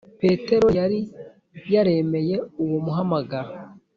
petero yari yaremeye uwo muhamagaro